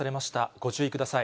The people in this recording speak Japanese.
ご注意ください。